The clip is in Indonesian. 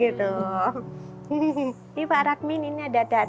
nanti menumpah nanti menupuk nanti nyerah